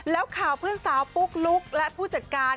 แล้วข่าวเพื่อนสาวปุ๊กลุ๊กและผู้จัดการ